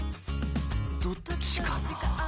どっちかなあ。